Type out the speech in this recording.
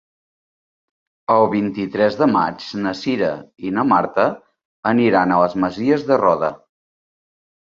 El vint-i-tres de maig na Cira i na Marta aniran a les Masies de Roda.